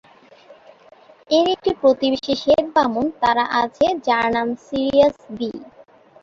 এর একটি প্রতিবেশী শ্বেত বামন তারা আছে যার নাম "সিরিয়াস বি"।